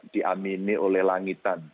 diamini oleh langitan